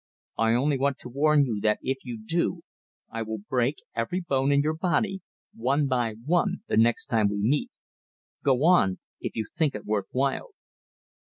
I only want to warn you, that if you do, I will break every bone in your body, one by one, the next time we meet. Go on, if you think it worth while."